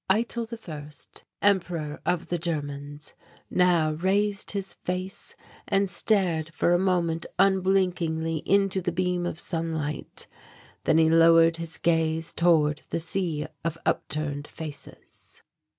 Eitel I, Emperor of the Germans, now raised his face and stared for a moment unblinkingly into the beam of sunlight, then he lowered his gaze toward the sea of upturned faces.